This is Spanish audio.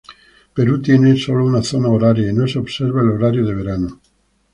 Perú tiene sólo una zona horaria y no se observa el horario de verano.